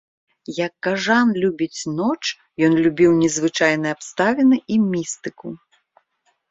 Як кажан любіць ноч, ён любіў незвычайныя абставіны і містыку.